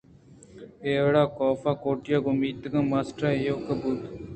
اے وڑا کاف کوٹیءَ گوں میتگ ءِماسٹر ءَ ایوک بوت